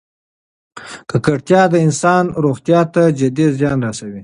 ککړتیا د انسان روغتیا ته جدي زیان رسوي.